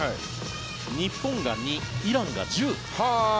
日本が２イランが１０。